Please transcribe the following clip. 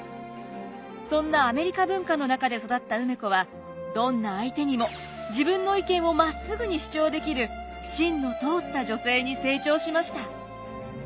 そんなアメリカ文化の中で育った梅子はどんな相手にも自分の意見をまっすぐに主張できる芯の通った女性に成長しました。